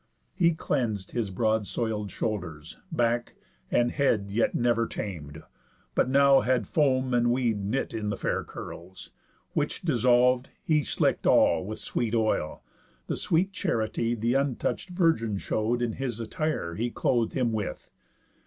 He cleans'd his broad soil'd shoulders, back, and head Yet never tam'd, but now had foam and weed Knit in the fair curls. Which dissolv'd, and he Slick'd all with sweet oil, the sweet charity The untouch'd virgin show'd in his attire He cloth'd him with.